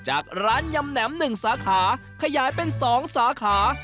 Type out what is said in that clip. จากร้านยำแหนม๑สาขาขยายเป็น๒สาขา